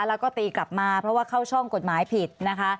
แล้วก็ตีกลับมาเพราะว่าเข้าช่องกฎหมายผิดนะคะ